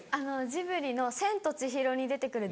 ジブリの『千と千尋』に出て来る